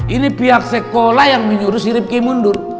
ini pihak sekolah yang menyuruh si ripki mundur